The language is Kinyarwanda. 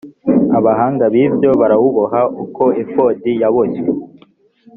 abahanga b ibyo barawuboha uko efodi yaboshywe